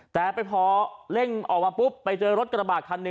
แต่พอเร่งออกมาปุ๊บไปเจอรถกระบาดคันหนึ่ง